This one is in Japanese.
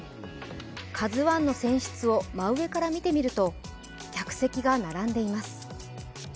「ＫＡＺＵⅠ」の船室を真上から見てみると客席が並んでいます。